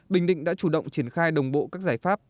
bình định đã chủ động triển khai đồng bộ các giải pháp